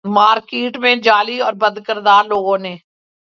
market میں جعلی اور بدکردار لوگوں نے